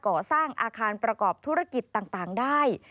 ก่อสร้างอาคารประกอบธุรกิจต่างได้